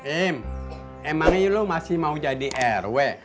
im emangnya lo masih mau jadi rw